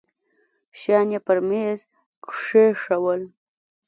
شيان يې پر ميز کښېښوول.